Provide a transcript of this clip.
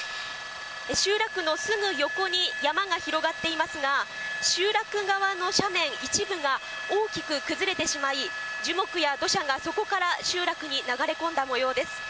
集落のすぐ横に、山が広がっていますが、集落側の斜面一部が、大きく崩れてしまい、樹木や土砂がそこから集落に流れ込んだもようです。